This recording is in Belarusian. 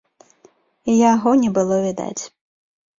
Яго не было відаць.